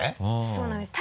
そうなんです。